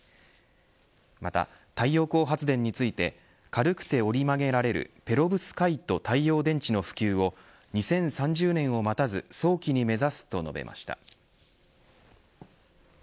また、太陽光発電について軽くて折り曲げられるペロブスカイト太陽光電池の普及を２０３０年を待たず早期に目指すつと述べました。